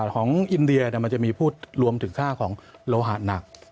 ของอินเดียมันจะมีพูดรวมถึงค่าของโลหะหนัก